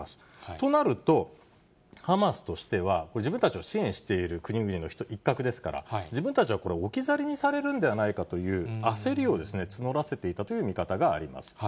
となると、ハマスとしてはこれ、自分たちを支援している国々の一角ですから、自分たちは置き去りにされるんではないかという焦りを募らせていたという見方があります。